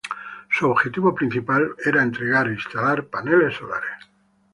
Su objetivo principal fue entregar e instalar paneles solares.